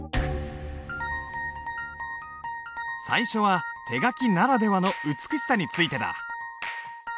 最初は手書きならではの美しさについてだ。